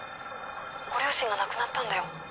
「ご両親が亡くなったんだよ」